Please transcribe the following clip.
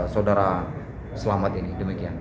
saudara selamat ini demikian